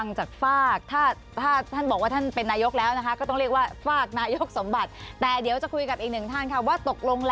งั้นเราฟังจากฟาก